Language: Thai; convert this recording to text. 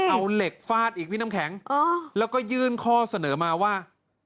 เอาเหล็กฟาดอีกพี่น้ำแข็งแล้วก็ยื่นข้อเสนอมาว่า